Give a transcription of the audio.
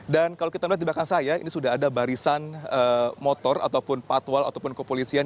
dan kalau kita melihat di belakang saya ini sudah ada barisan motor ataupun patwal ataupun kepolisian